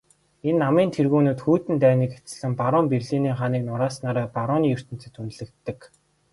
Энэ намын тэргүүнүүд хүйтэн дайныг эцэслэн баруун Берлиний ханыг нурааснаараа барууны ертөнцөд үнэлэгддэг.